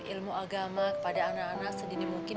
ilmu agama kepada anak anak sedini mungkin